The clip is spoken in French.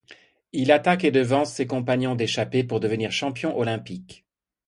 Il attaque et devance ses compagnons d'échappée pour devenir champion olympique.